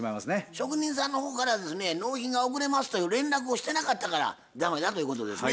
職人さんの方からですね納品が遅れますという連絡をしてなかったから駄目だということですね。